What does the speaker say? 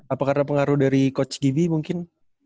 apa karena pengaruh dari coach giv mungkin